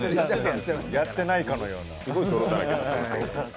やってないかのような。